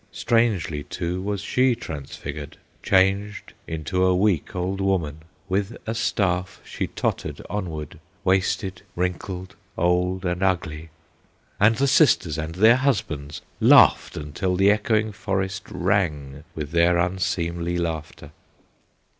Strangely, too, was she transfigured. Changed into a weak old woman, With a staff she tottered onward, Wasted, wrinkled, old, and ugly! And the sisters and their husbands Laughed until the echoing forest Rang with their unseemly laughter.